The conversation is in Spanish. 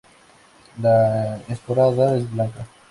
La esporada en blanca.